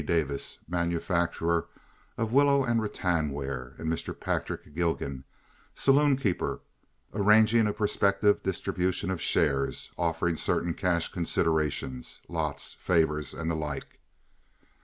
Davis, manufacturer of willow and rattan ware, and Mr. Patrick Gilgan, saloon keeper, arranging a prospective distribution of shares, offering certain cash consideration, lots, favors, and the like.